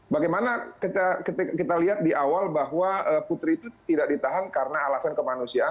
bagaimana kita lihat di awal bahwa putri itu tidak ditahan karena alasan kemanusiaan